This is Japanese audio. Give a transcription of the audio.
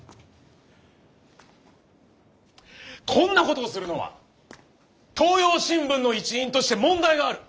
こんなことをするのは東洋新聞の一員として問題がある。